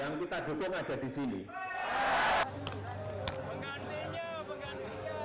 yang kita dukung ada di sini